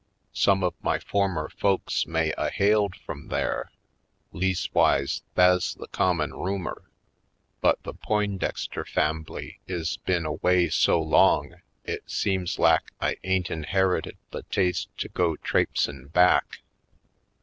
Some of my former folks may a hailed frum there — leas'wise, tha's the common rumor — but the Poindexter f ambly is been away so long it seems lak I ain't in herited the taste to go traipsin' back.